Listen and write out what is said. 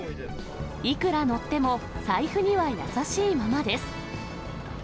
いくら乗っても財布には優しいままです。